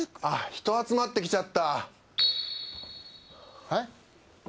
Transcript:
あっ人集まってきちゃったはい？